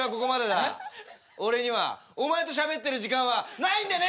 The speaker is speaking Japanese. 俺にはお前としゃべってる時間はないんでね！